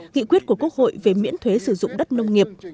nghị quyết của quốc hội về miễn thuế sử dụng đất nông nghiệp